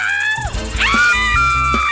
eh ini kabur kemana